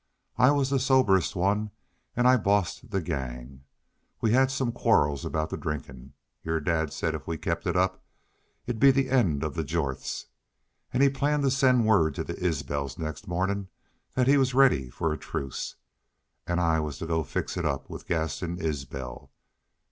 I was the soberest one an' I bossed the gang. We had some quarrels aboot the drinkin'. Your dad said if we kept it up it 'd be the end of the Jorths. An' he planned to send word to the Isbels next mawnin' that he was ready for a truce. An' I was to go fix it up with Gaston Isbel.